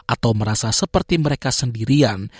atau merasa seperti mereka sendirian